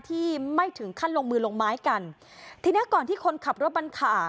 ที่ไม่ถึงขั้นลงมือลงไม้กันทีเนี้ยก่อนที่คนขับรถบรรทุกขา